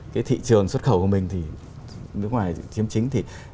cái thị trường xuất khẩu của mình thì nước ngoài chiếm chính thì